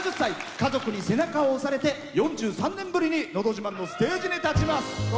家族に背中を押されて４３年ぶりに「のど自慢」のステージに立ちます。